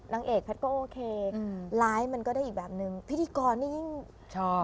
นางเอกแพทย์ก็โอเคอืมไลฟ์มันก็ได้อีกแบบนึงพิธีกรนี่ยิ่งชอบ